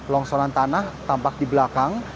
longsoran tanah tampak di belakang